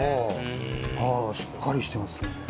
しっかりしてますね。